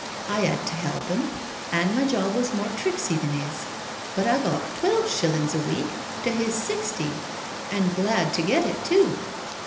I 'ad to 'elp him, an' my job was more tricksy than 'is, but I got twelve shillin's a week to his sixty, an' glad to get it too.